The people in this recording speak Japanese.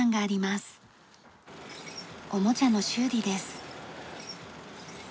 おもちゃの修理です。